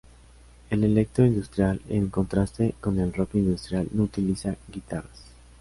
El electro-industrial en contraste con el rock industrial no utiliza guitarras.